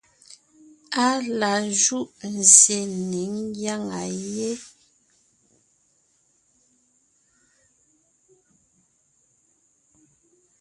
Á la júʼ nzsyè ne ńgyáŋa yé,